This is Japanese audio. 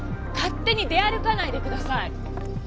勝手に出歩かないでください！